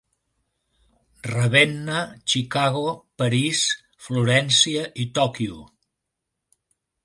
Ravenna, Chicago, París, Florència i Tòquio.